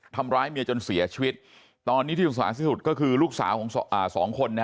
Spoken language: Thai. ทำร้ายเมียจนเสียชีวิตตอนนี้ที่สงสารที่สุดก็คือลูกสาวของสองคน